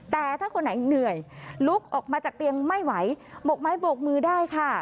แต่ถ้าคนไหนเหนื่อยลุกออกมาจากเตียงไม่ไหวบกไม้โบกมือได้ค่ะ